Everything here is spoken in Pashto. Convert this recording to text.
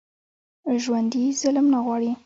ژوندي ظلم نه غواړي